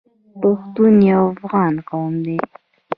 پښتون یو افغان قوم دی.